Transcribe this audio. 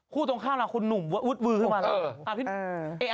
คู่ตรงข้างคนหนุ่มวูดวือขึ้นมา